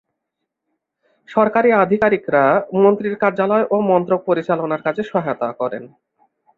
সরকারি আধিকারিকরা মন্ত্রীর কার্যালয় ও মন্ত্রক পরিচালনার কাজে সহায়তা করেন।